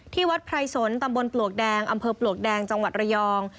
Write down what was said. วัดไพรสนตำบลปลวกแดงอำเภอปลวกแดงจังหวัดระยอง